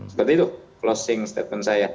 seperti itu closing statement saya